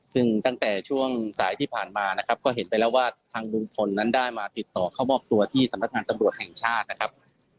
ซึ่งตั้งแต่ช่วงสายที่ผ่านมานะครับก็เห็นไปแล้วว่าทางลุงพลนั้นได้มาติดต่อเข้ามอบตัวที่สำนักงานตำรวจแห่งชาตินะครับ